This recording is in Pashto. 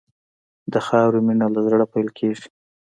د خاورې مینه له زړه پیل کېږي.